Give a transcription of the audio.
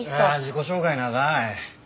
あ自己紹介長い。